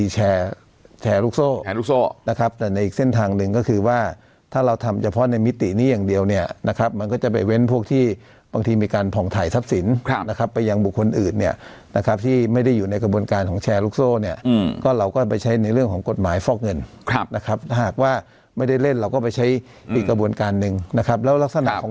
แชร์ลูกโซ่นะครับแต่ในอีกเส้นทางหนึ่งก็คือว่าถ้าเราทำเฉพาะในมิตินี้อย่างเดียวเนี่ยนะครับมันก็จะไปเว้นพวกที่บางทีมีการผ่องถ่ายทับสินครับนะครับไปยังบุคคลอื่นเนี่ยนะครับที่ไม่ได้อยู่ในกระบวนการของแชร์ลูกโซ่เนี่ยอืมก็เราก็ไปใช้ในเรื่องของกฎหมายฟอกเงินครับนะครับหากว่าไม่ได้เล่นเราก็